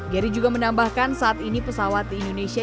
gary juga menambahkan saat ini pesawat di indonesia